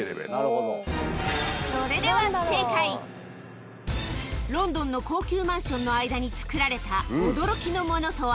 それではロンドンの高級マンションの間に作られた驚きのものとは？